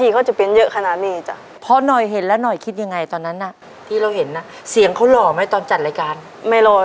ก็เพื่อคุยล้างไมเวลาเกิดอย่างไรหจะเหรอ